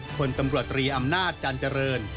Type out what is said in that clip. ผลตำรวจตรีอำนาจจันเจริญ